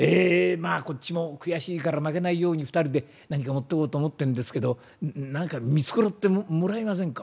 こっちも悔しいから負けないように２人で何か持ってこうと思ってんですけど何か見繕ってもらえませんか？」。